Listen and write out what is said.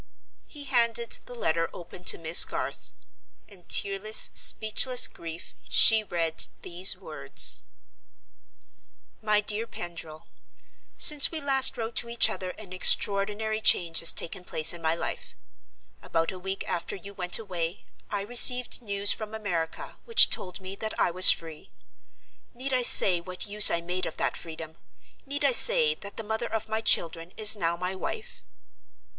He handed the letter open to Miss Garth. In tearless, speechless grief, she read these words: "MY DEAR PENDRIL—Since we last wrote to each other an extraordinary change has taken place in my life. About a week after you went away, I received news from America which told me that I was free. Need I say what use I made of that freedom? Need I say that the mother of my children is now my Wife?